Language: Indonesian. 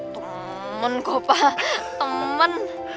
temen kok pak temen